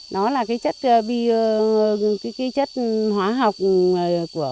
nó là cái chất bị